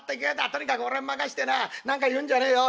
とにかく俺に任してな何か言うんじゃねえよ。